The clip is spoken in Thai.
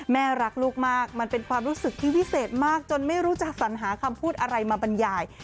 แม่รักลูกมากมันเป็นความรู้สึกที่วิเศษมากจนไม่รู้จะสัญหาคำพูดอะไรมาบรรยาย